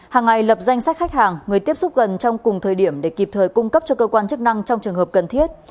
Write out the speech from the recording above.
hàng ngày lập danh sách khách hàng người tiếp xúc gần trong cùng thời điểm để kịp thời cung cấp cho cơ quan chức năng trong trường hợp cần thiết